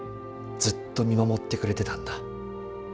ずっと見守ってくれてたんだ。